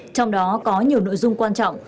trong đó có nhiều nội dung quan trọng